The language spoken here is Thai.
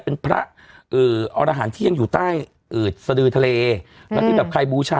เป็นพระเอ่ออรหารที่ยังอยู่ใต้อืดสดือทะเลแล้วที่แบบใครบูชา